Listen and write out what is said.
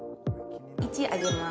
１上げます